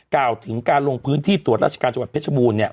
กล่าวถึงการลงพื้นที่ตรวจราชการจังหวัดเพชรบูรณ์เนี่ย